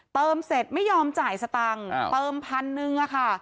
เติมเสร็จไม่ยอมจ่ายสตังค์เติมพันหนึ่งอะค่ะ